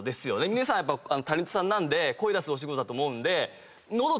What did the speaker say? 皆さんタレントさんなんで声出すお仕事だと思うんで。